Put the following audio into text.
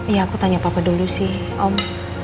iya aku tanya papa dulu sih om